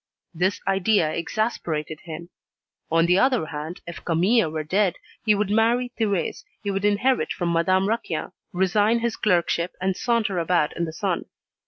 This idea exasperated him. On the other hand, if Camille were dead, he would marry Thérèse, he would inherit from Madame Raquin, resign his clerkship, and saunter about in the sun.